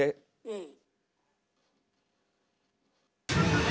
うん。